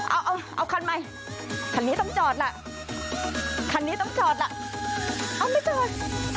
เอาเอาคันใหม่คันนี้ต้องจอดล่ะคันนี้ต้องจอดล่ะเอาไม่จอด